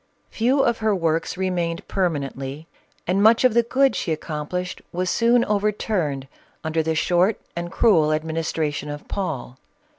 Few of her works re mained permanently, and much of the good she accom plished was soon overturned under the short and cruel administration of Paul.